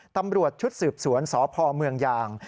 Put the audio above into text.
ตำรวจชุดสืบสวนสพเมืองยาง